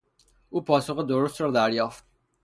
او پاسخ درست را دریافت.